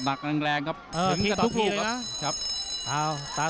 โหดแก้งขวาโหดแก้งขวา